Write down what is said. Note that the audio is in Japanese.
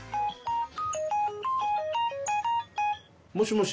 もしもし。